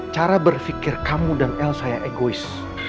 cara berfikir kamu dan el saya egois